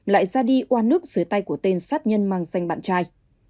lại ra đi qua nước dưới tay của tên sát nhân mang danh bạn trai